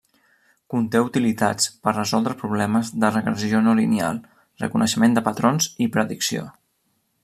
Conté utilitats per resoldre problemes de regressió no lineal, reconeixement de patrons i predicció.